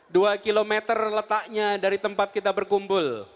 dua km letaknya dari tempat kita berkumpul